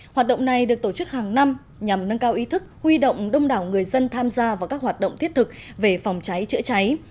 hoạt động này được tổ chức hàng năm nhằm nâng cao ý thức huy động đông đảo người dân tham gia vào các hoạt động thiết thực về phòng cháy chữa cháy